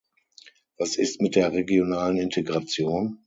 Was ist mit der regionalen Integration?